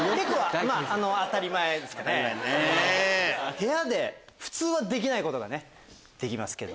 部屋で普通はできないことができます。